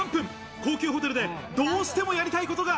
高級ホテルでどうしてもやりたいことが。